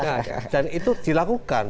nah dan itu dilakukan